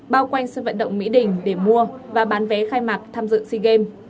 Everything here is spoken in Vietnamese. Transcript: bao quanh sân vận động mỹ đình để mua và bán vé khai mạc tham dự sea games